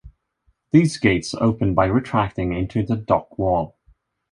These gates open by retracting into the dock wall.